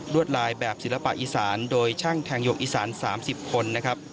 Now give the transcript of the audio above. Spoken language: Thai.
รวดลายแบบศิลปะอีสานโดยช่างแทงโยงอีสาน๓๐คน